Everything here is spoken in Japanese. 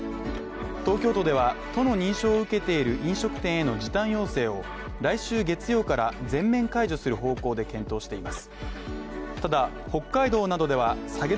東京都では都の認証を受けている飲食店への時短要請を来週月曜から全面解除する方向で検討しています。